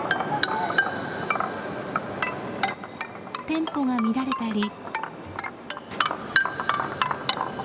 テンポが乱れたり。